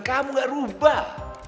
kamu gak berubah